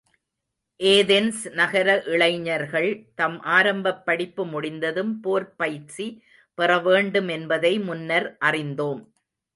Athens நகர இளைஞர்கள் தம் ஆரம்பப் படிப்பு முடிந்ததும் போர்ப் பயிற்சி பெறவேண்டும் என்பதை முன்னர் அறிந்தோம்.